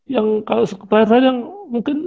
yang kalau pertanyaan saya yang mungkin